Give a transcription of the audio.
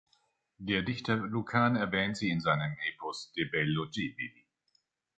Der Dichter Lukan erwähnt sie in seinem Epos "De bello civili".